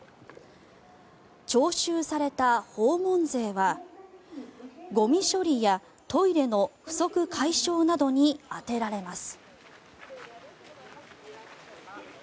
徴収された訪問税はゴミ処理やトイレの不足解消などに充てられます。